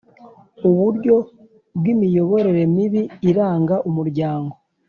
uburyo bw imiyoborere mibi iranga umuryango